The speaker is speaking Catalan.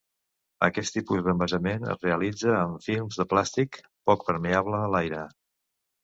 Aquest tipus d'envasament es realitza en films de plàstic poc permeable a l'aire.